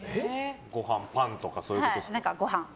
ご飯、パンとかそういうことですか？